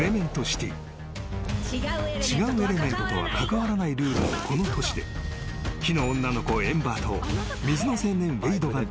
［違うエレメントとは関わらないルールのこの都市で火の女の子エンバーと水の青年ウェイドが出会う］